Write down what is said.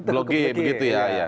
blok g begitu ya